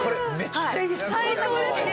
最高です！